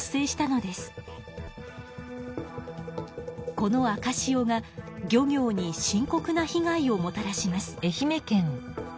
この赤潮が漁業に深こくなひ害をもたらします。